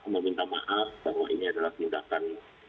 meminta maaf bahwa ini adalah tindakan